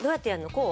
こう？